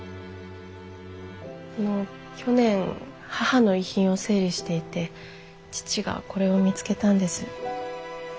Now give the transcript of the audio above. あの去年母の遺品を整理していて父がこれを見つけたんです。